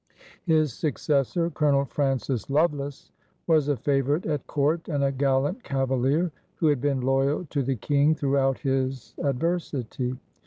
His successor, Colonel Francis Lovelace, was a favorite at court and a gallant cavalier who had been loyal to the King throughout his adversity.